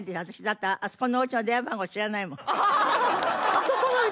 「あそこの家」。